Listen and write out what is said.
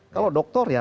kalau doktor ya